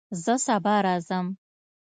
زه سبا راځم